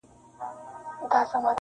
په لكونو وه راغلي عالمونه-